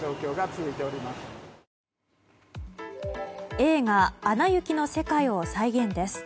映画「アナ雪」の世界を再現です。